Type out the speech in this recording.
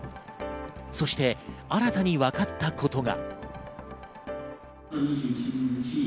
そして新たに分かったことが。